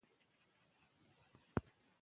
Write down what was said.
آب وهوا د افغانانو د معیشت سرچینه ده.